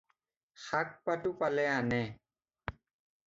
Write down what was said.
শাক-পাতো পালে আনে।